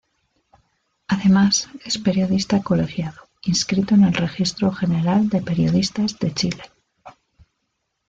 Además es periodista colegiado inscrito en el registro General de Periodistas de Chile.